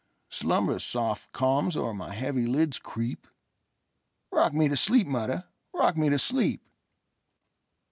Slumber's soft calms o'er my heavy lids creep;—Rock me to sleep, mother,—rock me to sleep!